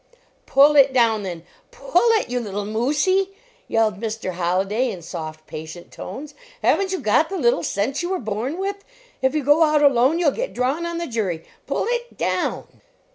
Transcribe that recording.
"Pull it down then! Pull it, you little moosie!" yelled Mr. Holliday in soft, patient tones. Haven t you got the little sense you were born with? If you go out alone you ll get drawn on the jury. Pull it down